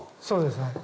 そうです。